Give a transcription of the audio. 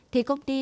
thì công ty